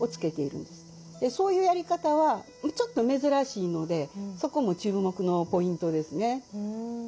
そういうやり方はちょっと珍しいのでそこも注目のポイントですね。